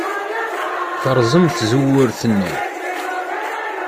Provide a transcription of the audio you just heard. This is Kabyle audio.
Terẓem tzewwut-nni.